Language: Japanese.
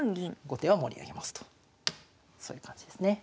後手は盛り上げますとそういう感じですね。